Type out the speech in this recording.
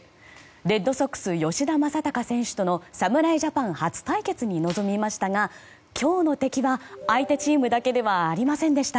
レッドソックス吉田正尚選手との侍ジャパン初対決に臨みましたが今日の敵は、相手チームだけではありませんでした。